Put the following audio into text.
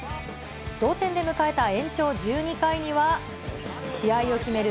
同点で迎えた延長１２回には、試合を決める